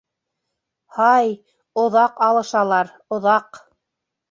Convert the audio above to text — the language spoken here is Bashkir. Һай, оҙаҡ алышалар, оҙаҡ.